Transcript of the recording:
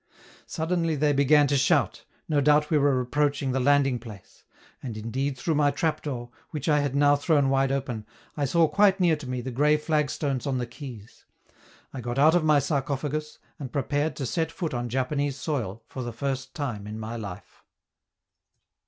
Suddenly they began to shout; no doubt we were approaching the landing place. And indeed, through my trap door, which I had now thrown wide open, I saw quite near to me the gray flagstones on the quays. I got out of my sarcophagus and prepared to set foot on Japanese soil for the first time in my life.